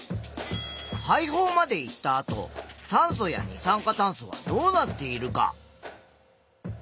肺胞まで行ったあと酸素や二酸化炭素はどうなっているか？